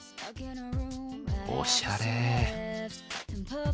おしゃれ。